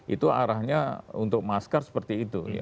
itu arahnya untuk masker seperti itu